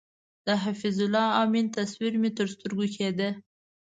د حفیظ الله امین تصویر مې تر سترګو کېده.